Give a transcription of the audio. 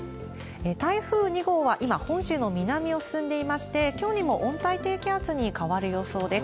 台風２号は今、本州の南を進んでいまして、きょうにも温帯低気圧に変わる予想です。